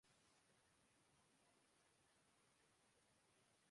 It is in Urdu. طور پہ بالکل درست تھا